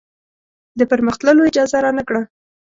د پر مخ تللو اجازه رانه کړه.